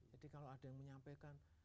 jadi kalau ada yang menyampaikan